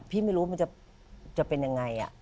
ไม่รู้มันจะเป็นยังไง